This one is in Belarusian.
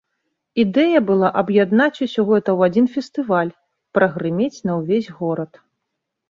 Ідэя была аб'яднаць усё гэта ў адзін фестываль, прагрымець на ўвесь горад.